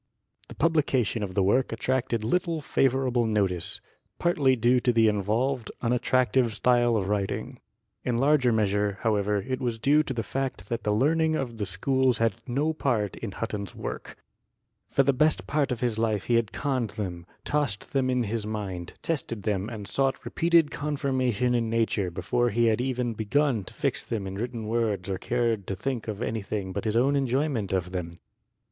The publication of the work attracted little favorable notice, partly due to the involved, unattractive style of writing; in larger measure, however, it was due to the fact that the learning of the schools had no part in Hutton's work. Hutton's thoughts had been borne in upon him direct from nature ; for the best part of his life he had conned them, tossed them in his mind, tested them and sought repeated confirmation in nature before he had even begun to fix them in written words or cared to think of anything but his own enjoyment of them.